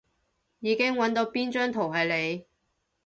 已經搵到邊張圖係你